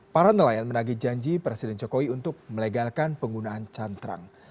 para nelayan menagi janji presiden jokowi untuk melegalkan penggunaan cantrang